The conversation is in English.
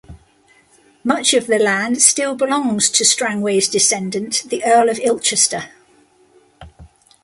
Much of the land still belongs to Strangways' descendant, the Earl of Ilchester.